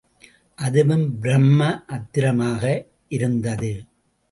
அதுவும் பிரம்ம அத்திரமாக இருந்தது.